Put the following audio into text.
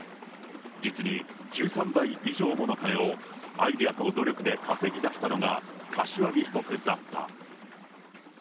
実に１３倍以上もの金をアイデアと努力で稼ぎ出したのが、柏木被告だった。